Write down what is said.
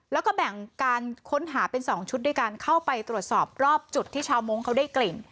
แล้วก็แบ่งการค้นหาเป็น๒ชุดด้วยการเข้าไปตรวจสอบรอบจุดที่ชาวมงค์เขาได้กลิ่น